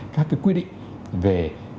các cái quy định về